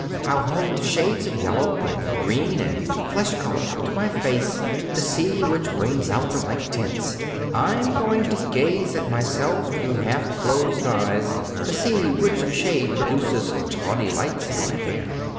I'll hold shades of yellow and green and flesh color up to my face to see which brings out the right tints. I'm going to gaze at myself through half closed eyes to see which shade produces tawny lights in my hair.